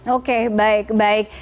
oke baik baik